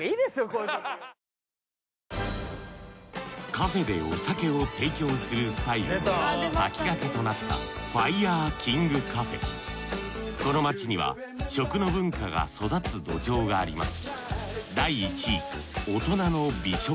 カフェでお酒を提供するスタイルの先駆けとなったこの街には食の文化が育つ土壌があります